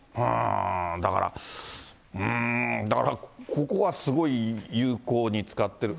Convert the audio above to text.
だから、うーん、だからここがすごい有効に使ってる。